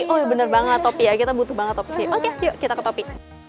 oh bener banget topi ya kita butuh banget toppi oke yuk kita ke topik